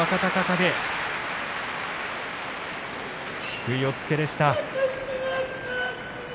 低い押っつけでした。